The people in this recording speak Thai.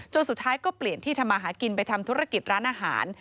สุดท้ายก็เปลี่ยนที่ทำมาหากินไปทำธุรกิจร้านอาหาร